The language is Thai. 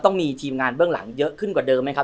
ต้องมีทีมงานเบื้องหลังเยอะขึ้นกว่าเดิมไหมครับ